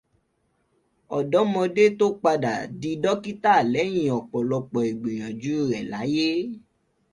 Ọ̀dọ́mọdé tó padà dí dókítà lẹ́yìn ọ̀pọ̀lọpọ̀ ìgbìyànjú rẹ̀ láyé.